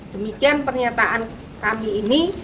demikian pernyataan kami ini